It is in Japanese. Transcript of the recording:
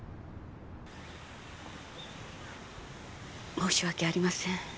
申し訳ありません。